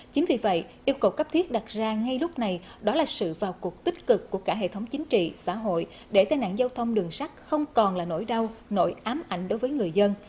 chính vì vậy yêu cầu cấp thiết đặt ra ngay lúc này đó là sự vào cuộc tích cực của cả hệ thống chính trị xã hội để tên nạn giao thông đường sắt không còn là nỗi đau nỗi ám ảnh đối với người dân